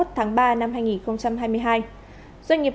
hai nghìn hai mươi hai doanh nghiệp